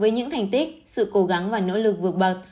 với những thành tích sự cố gắng và nỗ lực vượt bậc